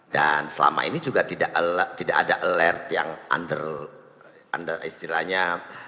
dan selama ini juga tidak ada alert yang under istilahnya